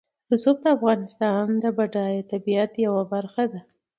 رسوب د افغانستان د بډایه طبیعت یوه برخه ده.